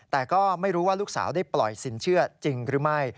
แต่ก็ไม่รู้ว่าลูกสาวได้ปล่อยสินเชื่อจริงหรือไม่